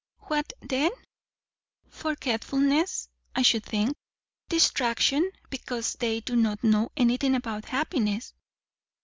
"What then?" "Forgetfulness, I should think; distraction; because they do not know anything about happiness."